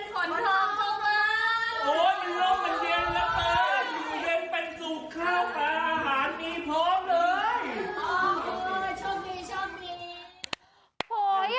พร้อมด้วยชอบดีชอบดี